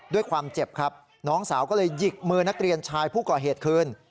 ด้วยความเจ็บครับน้องสาวก็เลยหยิกมือนักเรียนชายผู้ก่อเหตุคืน